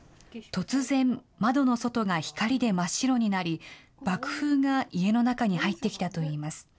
突然、窓の外が光で真っ白になり、爆風が家の中に入ってきたといいます。